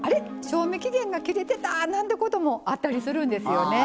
賞味期限が切れてたなんてこともあったりするんですよね。